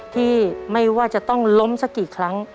ที่ไม่ว่าจะต้องล้มสักกี่ครั้ง